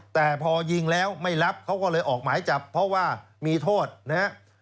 แต่พอยิงแล้วไม่รับเขาก็เลยออกหมายจับเพราะว่ามีโทษนะครับ